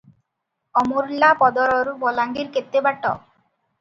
ଅମୁର୍ଲାପଦରରୁ ବଲାଙ୍ଗୀର କେତେ ବାଟ?